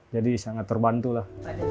jadi sangat terbantu lah